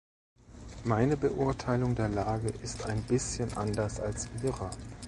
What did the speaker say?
Meine Beurteilung der Lage ist ein bisschen anders als Ihre.